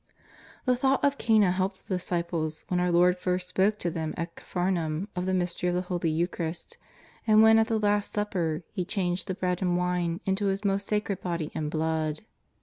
/ The thought of Cana helped the disciples when our Lord first spoke to them at Capharnaum of the Mystery of the Holy Eucharist, and when at the Last Supper He changed the bread and wine into His most sacred Body and Blood.